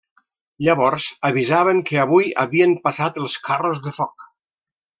Llavors avisaven que avui havien passat els 'Carros de foc'.